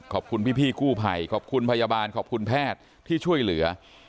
ขอบคุณพี่กู้ภัยขอบคุณพยาบาลขอบคุณแพทย์ที่ช่วยเหลือ